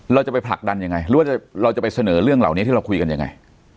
เราจะไปผลักดันยังไงหรือว่าเราจะไปเสนอเรื่องเหล่านี้ที่เราคุยกันยังไง